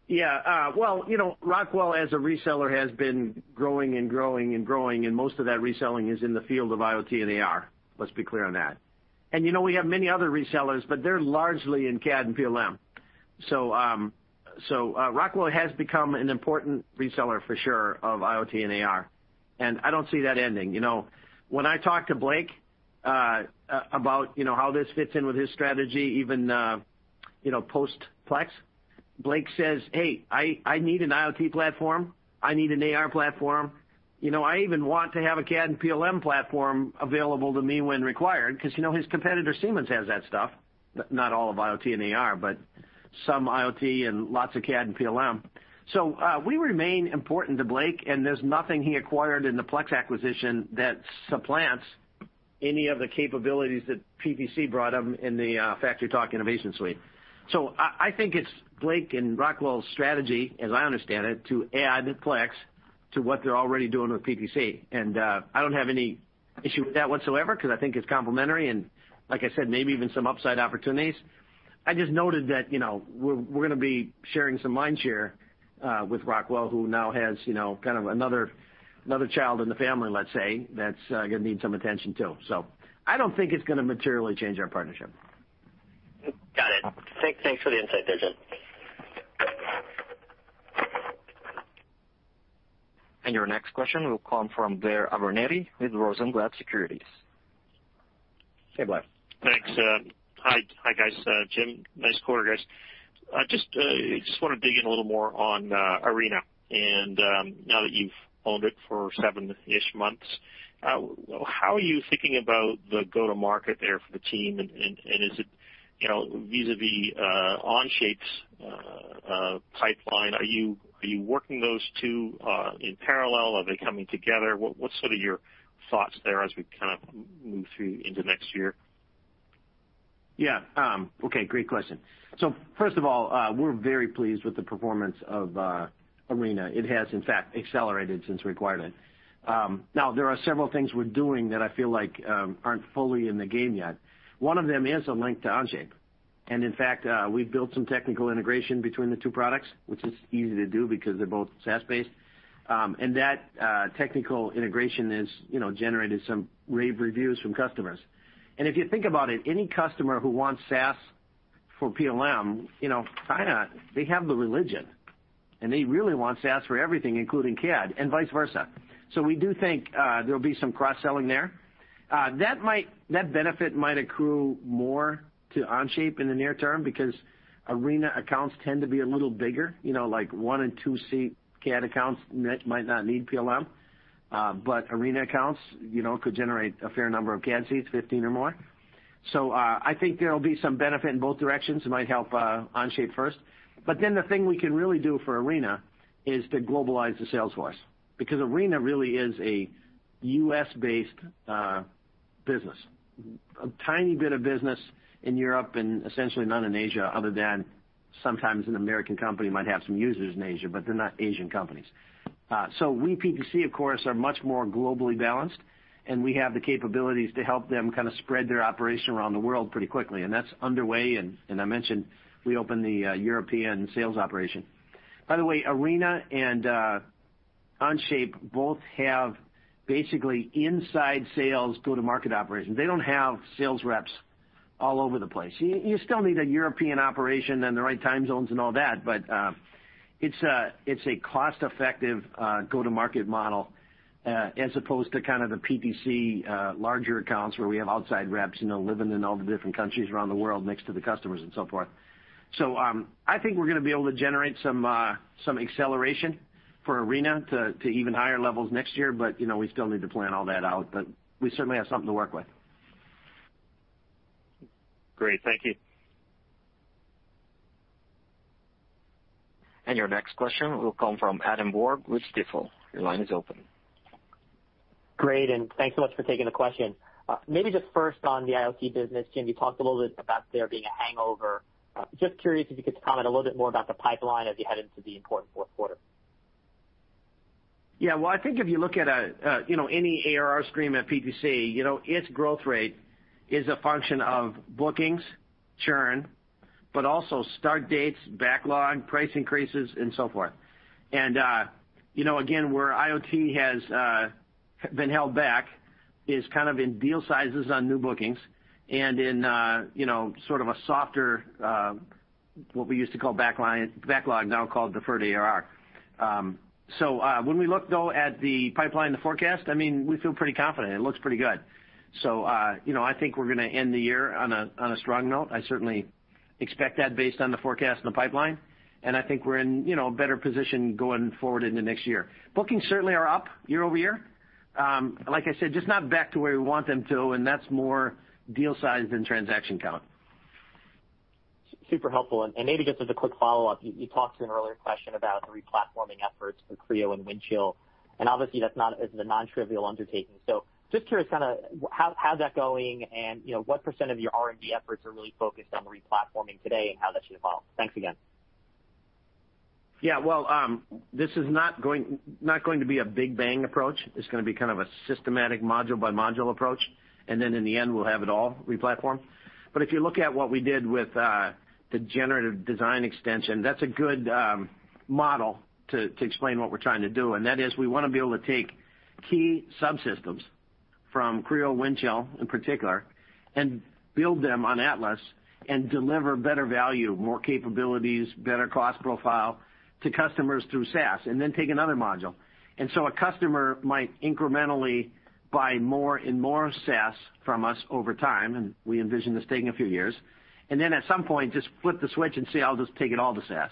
Well, Rockwell as a reseller has been growing and growing and growing, and most of that reselling is in the field of IoT and AR. Let's be clear on that. We have many other resellers, but they're largely in CAD and PLM. Rockwell has become an important reseller for sure of IoT and AR, and I don't see that ending. When I talk to Blake about how this fits in with his strategy, even post Plex, Blake says, "Hey, I need an IoT platform. I need an AR platform. I even want to have a CAD and PLM platform available to me when required." Because his competitor Siemens has that stuff. Not all of IoT and AR, but some IoT and lots of CAD and PLM. We remain important to Blake, and there's nothing he acquired in the Plex acquisition that supplants any of the capabilities that PTC brought him in the FactoryTalk InnovationSuite. I think it's Blake and Rockwell's strategy, as I understand it, to add Plex to what they're already doing with PTC. I don't have any issue with that whatsoever because I think it's complementary and, like I said, maybe even some upside opportunities. I just noted that we're gonna be sharing some mind share with Rockwell, who now has kind of another child in the family, let's say, that's gonna need some attention, too. I don't think it's gonna materially change our partnership. Got it. Thanks for the insight there, Jim. Your next question will come from Blair Abernethy with Rosenblatt Securities. Hey, Blair. Thanks. Hi, guys. Jim, nice quarter, guys. I just want to dig in a little more on Arena, and now that you've owned it for sevenish months, how are you thinking about the go-to-market there for the team? Vis-a-vis Onshape's pipeline, are you working those two in parallel? Are they coming together? What's sort of your thoughts there as we kind of move through into next year? Yeah. Okay, great question. First of all, we're very pleased with the performance of Arena. It has, in fact, accelerated since we acquired it. There are several things we're doing that I feel like aren't fully in the game yet. One of them is a link to Onshape. In fact, we've built some technical integration between the two products, which is easy to do because they're both SaaS-based. That technical integration has generated some rave reviews from customers. If you think about it, any customer who wants SaaS for PLM, kind of, they have the religion, and they really want SaaS for everything, including CAD, and vice versa. We do think there'll be some cross-selling there. That benefit might accrue more to Onshape in the near term because Arena accounts tend to be a little bigger, like one and two seat CAD accounts might not need PLM. Arena accounts could generate a fair number of CAD seats, 15 or more. I think there'll be some benefit in both directions. It might help Onshape first. Then the thing we can really do for Arena is to globalize the sales force. Arena really is a U.S.-based business, a tiny bit of business in Europe, and essentially none in Asia other than sometimes an American company might have some users in Asia, but they're not Asian companies. We, PTC, of course, are much more globally balanced, and we have the capabilities to help them kind of spread their operation around the world pretty quickly, and that's underway, and I mentioned we opened the European sales operation. By the way, Arena and Onshape both have basically inside sales go-to-market operations. They don't have sales reps all over the place. You still need a European operation and the right time zones and all that, but it's a cost-effective go-to-market model, as opposed to kind of the PTC larger accounts where we have outside reps living in all the different countries around the world next to the customers and so forth. I think we're going to be able to generate some acceleration for Arena to even higher levels next year. We still need to plan all that out, but we certainly have something to work with. Great. Thank you. Your next question will come from Adam Borg with Stifel. Your line is open. Great, thanks so much for taking the question. Maybe just first on the IoT business, Jim, you talked a little bit about there being a hangover. Just curious if you could comment a little bit more about the pipeline as you head into the important fourth quarter. Yeah. Well, I think if you look at any ARR stream at PTC, its growth rate is a function of bookings, churn, but also start dates, backlog, price increases, and so forth. Again, where IoT has been held back is kind of in deal sizes on new bookings and in sort of a softer, what we used to call backlog, now called deferred ARR. When we look, though, at the pipeline, the forecast, I mean, we feel pretty confident. It looks pretty good. I think we're going to end the year on a strong note. I certainly expect that based on the forecast and the pipeline. I think we're in a better position going forward into next year. Bookings certainly are up year-over-year. Like I said, just not back to where we want them to, and that's more deal size than transaction count. Super helpful. Maybe just as a quick follow-up, you talked in an earlier question about the replatforming efforts for Creo and Windchill, and obviously, that's not as a nontrivial undertaking. Just curious kind of how's that going, and what % of your R&D efforts are really focused on replatforming today and how that should evolve? Thanks again. Yeah. Well, this is not going to be a big bang approach. It's going to be kind of a systematic module by module approach. Then in the end, we'll have it all replatformed. If you look at what we did with the Generative Design Extension, that's a good model to explain what we're trying to do, and that is we want to be able to take key subsystems from Creo and Windchill in particular and build them on Atlas and deliver better value, more capabilities, better cost profile to customers through SaaS, and then take another module. A customer might incrementally buy more and more SaaS from us over time, and we envision this taking a few years. Then at some point, just flip the switch and say, "I'll just take it all to SaaS."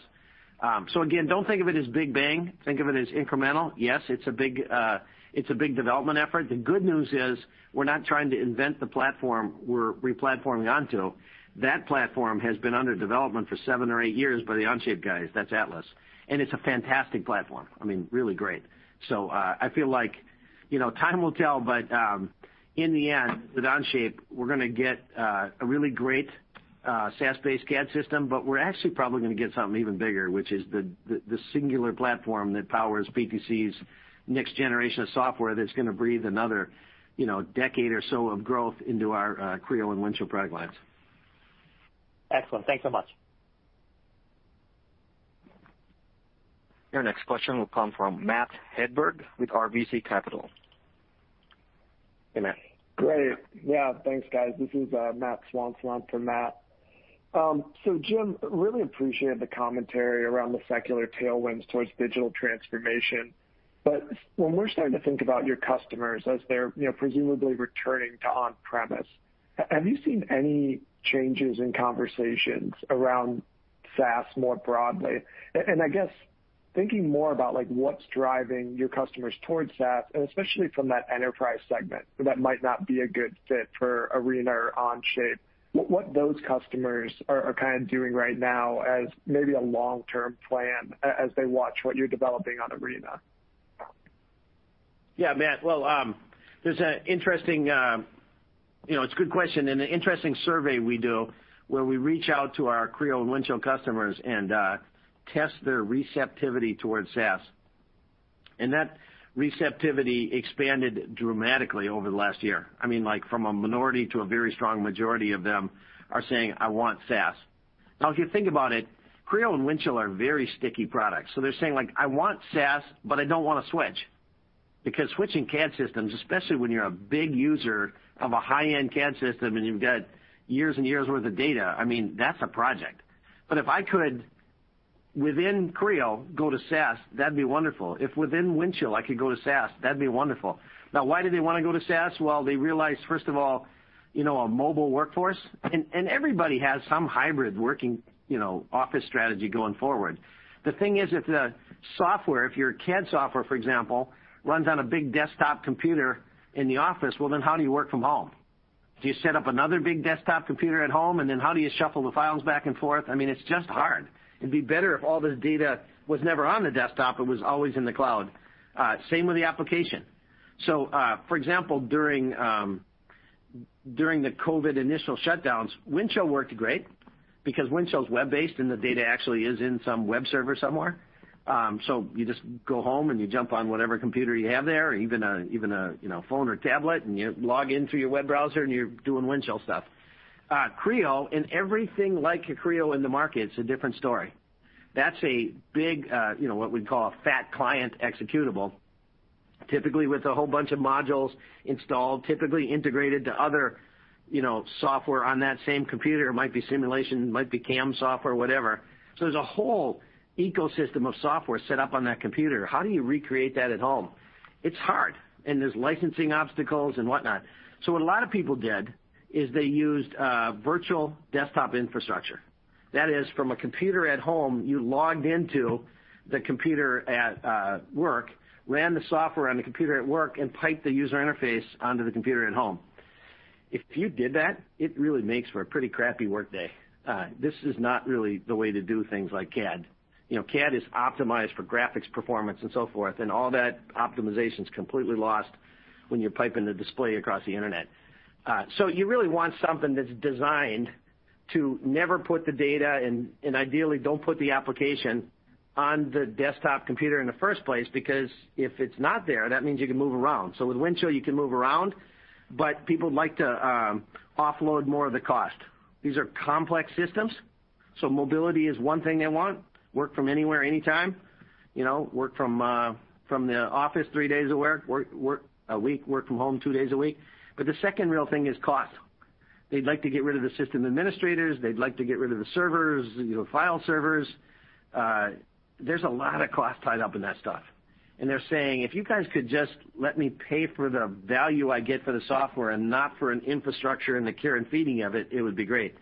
Again, don't think of it as big bang. Think of it as incremental. Yes, it's a big development effort. The good news is we're not trying to invent the platform we're replatforming onto. That platform has been under development for seven or eight years by the Onshape guys. That's PTC Atlas. It's a fantastic platform. I mean, really great. I feel like time will tell, but in the end, with Onshape, we're going to get a really great SaaS-based CAD system, but we're actually probably going to get something even bigger, which is the singular platform that powers PTC's next generation of software that's going to breathe another decade or so of growth into our Creo and Windchill product lines. Excellent. Thanks so much. Your next question will come from Matt Hedberg with RBC Capital Hey, Matt. Great. Yeah, thanks, guys. This is Matt Swanson for Matt. Jim, really appreciated the commentary around the secular tailwinds towards digital transformation. When we're starting to think about your customers as they're presumably returning to on-premise, have you seen any changes in conversations around SaaS more broadly? I guess, thinking more about what's driving your customers towards SaaS, and especially from that enterprise segment that might not be a good fit for Arena or Onshape, what those customers are kind of doing right now as maybe a long-term plan as they watch what you're developing on Arena? Yeah, Matt. Well, it's a good question, and an interesting survey we do where we reach out to our Creo and Windchill customers and test their receptivity towards SaaS. That receptivity expanded dramatically over the last year. From a minority to a very strong majority of them are saying, "I want SaaS." If you think about it, Creo and Windchill are very sticky products. They're saying, "I want SaaS, but I don't want to switch." Because switching CAD systems, especially when you're a big user of a high-end CAD system, and you've got years and years worth of data, that's a project. If I could, within Creo, go to SaaS, that'd be wonderful. If within Windchill I could go to SaaS, that'd be wonderful. Why do they want to go to SaaS? They realize, first of all, a mobile workforce, everybody has some hybrid working office strategy going forward. If the software, if your CAD software, for example, runs on a big desktop computer in the office, how do you work from home? Do you set up another big desktop computer at home? How do you shuffle the files back and forth? It's just hard. It'd be better if all this data was never on the desktop, it was always in the cloud. Same with the application. For example, during the COVID initial shutdowns, Windchill worked great because Windchill is web-based and the data actually is in some web server somewhere. You just go home and you jump on whatever computer you have there or even a phone or tablet, and you log in through your web browser, and you're doing Windchill stuff. Creo and everything like Creo in the market, it's a different story. That's a big, what we'd call a fat client executable, typically with a whole bunch of modules installed, typically integrated to other software on that same computer. It might be simulation, it might be CAM software, whatever. There's a whole ecosystem of software set up on that computer. How do you recreate that at home? It's hard, and there's licensing obstacles and whatnot. What a lot of people did is they used virtual desktop infrastructure. That is, from a computer at home, you logged into the computer at work, ran the software on the computer at work, and piped the user interface onto the computer at home. If you did that, it really makes for a pretty crappy workday. This is not really the way to do things like CAD. CAD is optimized for graphics performance and so forth, and all that optimization's completely lost when you're piping the display across the internet. You really want something that's designed to never put the data in, and ideally, don't put the application on the desktop computer in the first place, because if it's not there, that means you can move around. With Windchill, you can move around, but people like to offload more of the cost. These are complex systems, so mobility is one thing they want, work from anywhere, anytime. Work from the office three days a week, work from home two days a week. The second real thing is cost. They'd like to get rid of the system administrators. They'd like to get rid of the servers, the file servers. There's a lot of cost tied up in that stuff. They're saying, "If you guys could just let me pay for the value I get for the software and not for an infrastructure and the care and feeding of it would be great."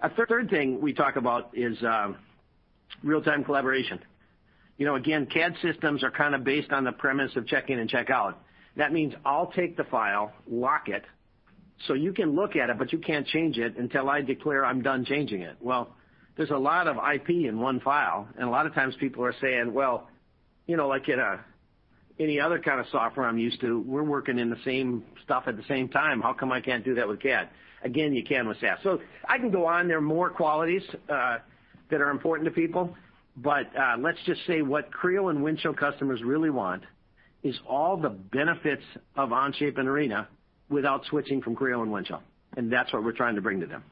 A third thing we talk about is real-time collaboration. Again, CAD systems are kind of based on the premise of check-in and check-out. That means I'll take the file, lock it, so you can look at it, but you can't change it until I declare I'm done changing it. There's a lot of IP in one file, and a lot of times people are saying, "Well, like in any other kind of software I'm used to, we're working in the same stuff at the same time. How come I can't do that with CAD?" Again, you can with SaaS. I can go on. There are more qualities that are important to people. Let's just say what Creo and Windchill customers really want is all the benefits of Onshape and Arena without switching from Creo and Windchill, and that's what we're trying to bring to them.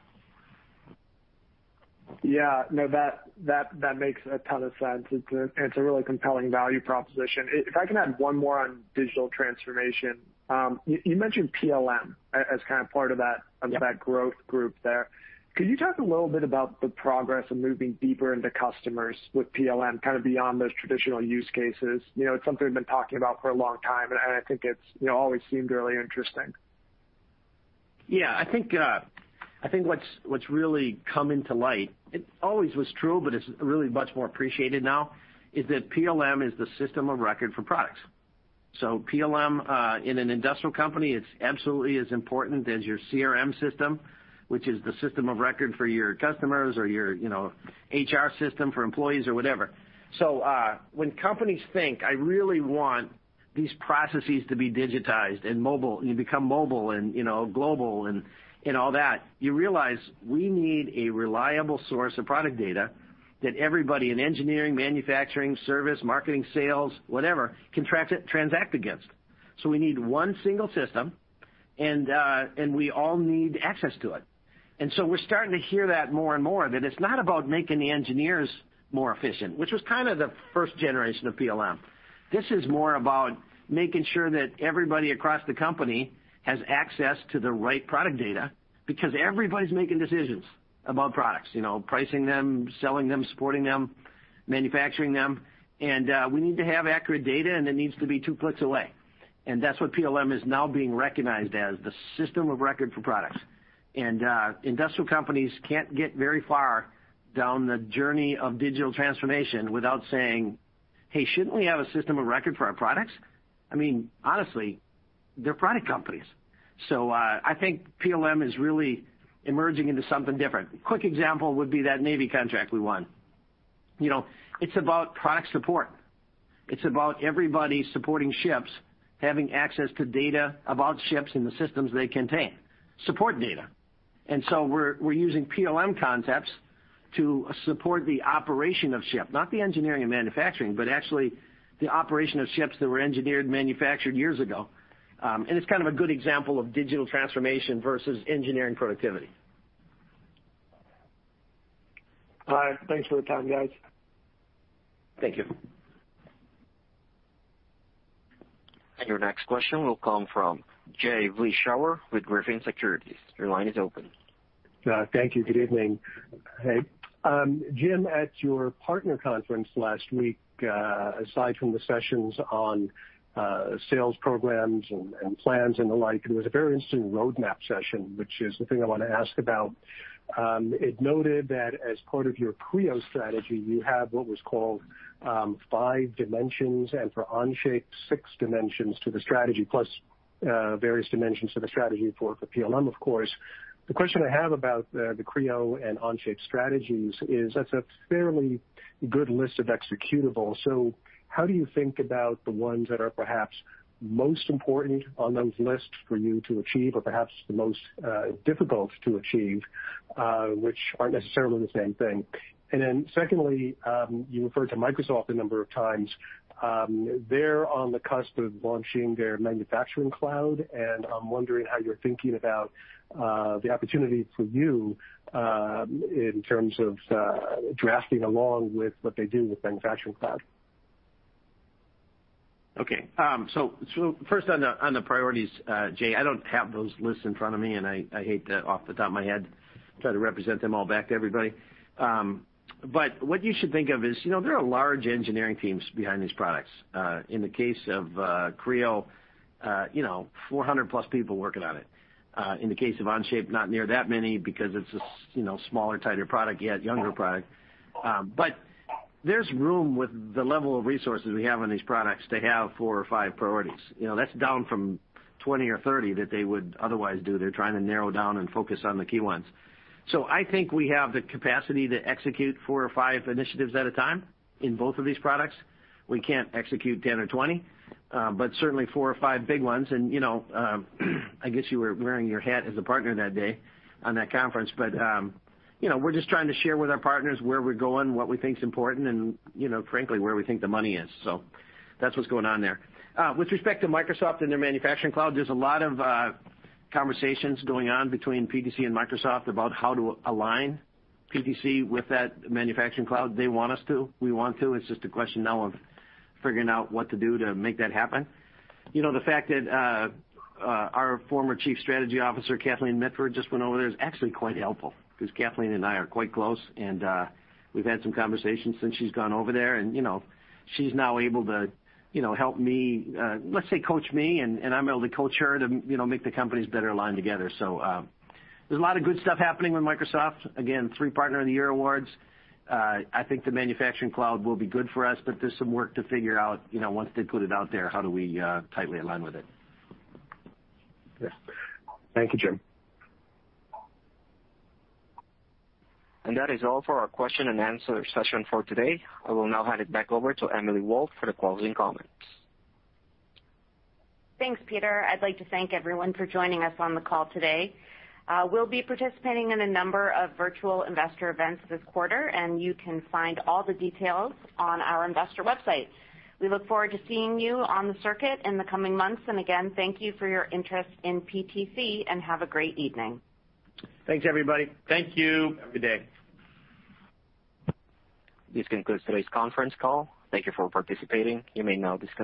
Yeah. No, that makes a ton of sense. It's a really compelling value proposition. If I can add one more on digital transformation. You mentioned PLM as kind of part of that- Yep Of that growth group there. Could you talk a little bit about the progress of moving deeper into customers with PLM, kind of beyond those traditional use cases? It's something we've been talking about for a long time, and I think it's always seemed really interesting. Yeah. I think what's really come into light, it always was true, but it's really much more appreciated now, is that PLM is the system of record for products. PLM, in an industrial company, it's absolutely as important as your CRM system, which is the system of record for your customers or your HR system for employees or whatever. When companies think, I really want these processes to be digitized and mobile, you become mobile and global and all that, you realize we need a reliable source of product data that everybody in engineering, manufacturing, service, marketing, sales, whatever, can transact against. We need one single system. And we all need access to it. We're starting to hear that more and more, that it's not about making the engineers more efficient, which was kind of the first generation of PLM. This is more about making sure that everybody across the company has access to the right product data, because everybody's making decisions about products, pricing them, selling them, supporting them, manufacturing them. We need to have accurate data, and it needs to be two clicks away. That's what PLM is now being recognized as, the system of record for products. Industrial companies can't get very far down the journey of digital transformation without saying, "Hey, shouldn't we have a system of record for our products?" I mean, honestly, they're product companies. I think PLM is really emerging into something different. Quick example would be that U.S. Navy contract we won. It's about product support. It's about everybody supporting ships, having access to data about ships and the systems they contain. Support data. We're using PLM concepts to support the operation of ship, not the engineering and manufacturing, but actually the operation of ships that were engineered, manufactured years ago. It's kind of a good example of digital transformation versus engineering productivity. All right. Thanks for the time, guys. Thank you. Your next question will come from Jay Vleeschhouwer with Griffin Securities. Your line is open. Thank you. Good evening. Jim, at your partner conference last week, aside from the sessions on sales programs and plans and the like, there was a very interesting roadmap session, which is the thing I want to ask about. It noted that as part of your Creo strategy, you have what was called five dimensions, and for Onshape, six dimensions to the strategy, plus various dimensions to the strategy for PLM, of course. The question I have about the Creo and Onshape strategies is that's a fairly good list of executables. How do you think about the ones that are perhaps most important on those lists for you to achieve or perhaps the most difficult to achieve, which aren't necessarily the same thing? Secondly, you referred to Microsoft a number of times. They're on the cusp of launching their manufacturing cloud, and I'm wondering how you're thinking about the opportunity for you in terms of drafting along with what they do with manufacturing cloud. Okay. First on the priorities, Jay, I don't have those lists in front of me, and I hate to, off the top of my head, try to represent them all back to everybody. What you should think of is there are large engineering teams behind these products. In the case of Creo, 400-plus people working on it. In the case of Onshape, not near that many because it's a smaller, tighter product, yet younger product. There's room with the level of resources we have on these products to have four or five priorities. That's down from 20 or 30 that they would otherwise do. They're trying to narrow down and focus on the key ones. I think we have the capacity to execute four or five initiatives at a time in both of these products. We can't execute 10 or 20. Certainly four or five big ones. I guess you were wearing your hat as a partner that day on that conference. We're just trying to share with our partners where we're going, what we think is important, and frankly, where we think the money is. That's what's going on there. With respect to Microsoft and their manufacturing cloud, there's a lot of conversations going on between PTC and Microsoft about how to align PTC with that manufacturing cloud. They want us to. We want to. It's just a question now of figuring out what to do to make that happen. The fact that our former Chief Strategy Officer, Kathleen Mitford, just went over there is actually quite helpful because Kathleen and I are quite close, and we've had some conversations since she's gone over there, and she's now able to help me, let's say, coach me, and I'm able to coach her to make the companies better aligned together. There's a lot of good stuff happening with Microsoft. Again, three Partner of the Year awards. I think the manufacturing cloud will be good for us, but there's some work to figure out, once they put it out there, how do we tightly align with it? Yes. Thank you, Jim. That is all for our question and answer session for today. I will now hand it back over to Emily Walt for the closing comments. Thanks, Peter. I'd like to thank everyone for joining us on the call today. We'll be participating in a number of virtual investor events this quarter, and you can find all the details on our investor website. We look forward to seeing you on the circuit in the coming months. Again, thank you for your interest in PTC, and have a great evening. Thanks, everybody. Thank you everybody. This concludes today's conference call. Thank you for participating. You may now disconnect.